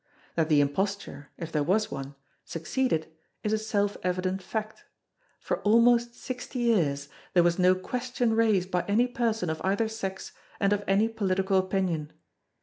That the imposture if there was one succeeded is a self evident fact; for almost sixty years there was no question raised by any person of either sex and of any political opinion.